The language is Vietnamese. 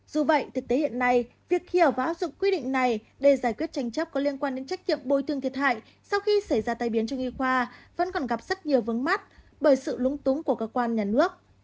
dù vậy thực tế hiện nay việc khi ở và áp dụng quy định này để giải quyết tranh chấp có liên quan đến trách nhiệm bồi thương thiệt hại sau khi xảy ra tai biến trong y khoa vẫn còn gặp rất nhiều vấn mắc bởi sự lúng túng của cơ quan nhà nước